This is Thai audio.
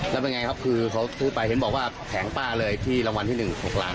แล้วยังไงครับคือเขายอกว่าแข็งป้าเลยที่รางวัลที่หนึ่ง๖ล้านบาท